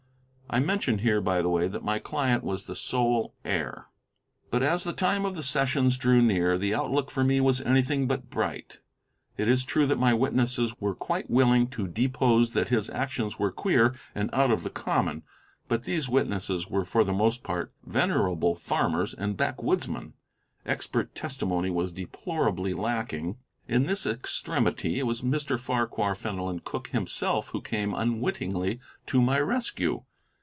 I mention here, by the way, that my client was the sole heir. But as the time of the sessions drew near, the outlook for me was anything but bright. It is true that my witnesses were quite willing to depose that his actions were queer and out of the common, but these witnesses were for the most part venerable farmers and backwoodsmen: expert testimony was deplorably lacking. In this extremity it was Mr. Farquhar Fenelon Cooke himself who came unwittingly to my rescue.